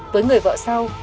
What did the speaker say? với người vợ sau